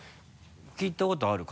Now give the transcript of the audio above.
聞いたことある？